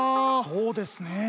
そうですねえ。